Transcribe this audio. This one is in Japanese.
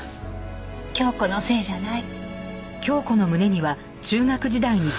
京子のせいじゃない。